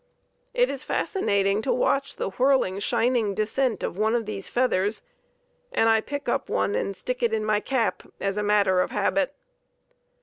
It is fascinating to watch the whirling, shining descent of one of these feathers, and I pick up one and stick it in my cap as a matter of habit.